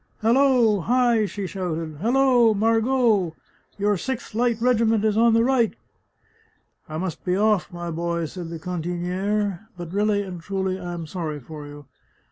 " Halloo ! Hi !" she shouted. " Halloo, Margot ! Your Sixth Light Regiment is on the right !"" I must be oflf, my boy," said the cantiniere ;" but really and truly I am sorry for you